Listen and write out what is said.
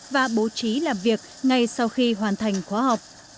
và bố trí làm việc ngay sau khi hoàn thành khóa học